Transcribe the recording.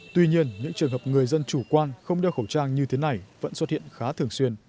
tuy nhiên những trường hợp người dân chủ quan không đeo khẩu trang như thế này vẫn xuất hiện khá thường xuyên